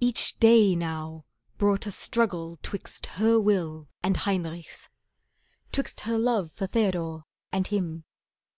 Each day now brought a struggle 'twixt her will And Heinrich's. 'Twixt her love for Theodore And him.